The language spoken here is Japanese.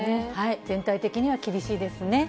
全体的には厳しいですね。